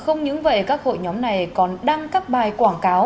không những vậy các hội nhóm này còn đăng các bài quảng cáo